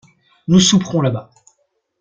Nous souperons là-bas.